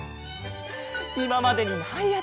いままでにないあじだ！